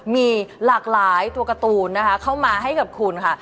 มีหลากหลายตัวการ์ตูนนะคะเข้ามาให้กับคุณค่ะ